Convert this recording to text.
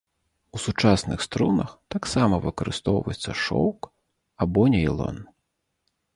У сучасных струнах таксама выкарыстоўваецца шоўк або нейлон.